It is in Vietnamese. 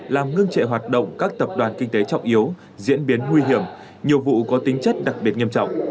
làm ngưng trệ hoạt động các tập đoàn kinh tế trọng yếu diễn biến nguy hiểm nhiều vụ có tính chất đặc biệt nghiêm trọng